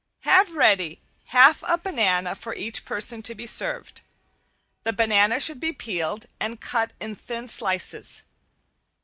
Have ready half a banana for each person to be served. The banana should be peeled and cut in thin slices.